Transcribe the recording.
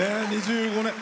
２５年。